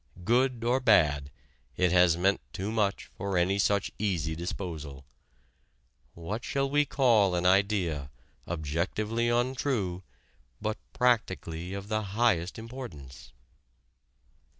Good or bad, it has meant too much for any such easy disposal. What shall we call an idea, objectively untrue, but practically of the highest importance?